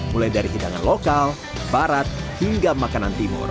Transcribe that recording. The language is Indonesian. mulai dari hidangan lokal barat hingga makanan timur